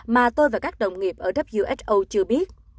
mà tôi và các đồng nghiệp ở who chưa biết